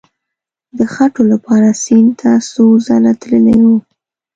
د خټو لپاره سیند ته څو ځله تللی وو.